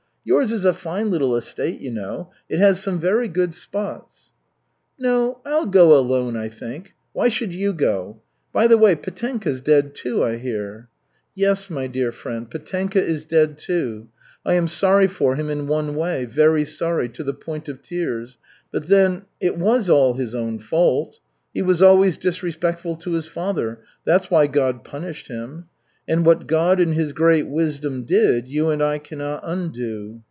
Yours is a fine little estate, you know. It has some very good spots." "No, I'll go alone, I think. Why should you go? By the way, Petenka's dead, too, I hear?" "Yes, my dear friend, Petenka is dead, too. I am sorry for him in one way, very sorry to the point of tears; but then it was all his own fault. He was always disrespectful to his father, that's why God punished him. And what God, in His great wisdom, did, you and I cannot undo."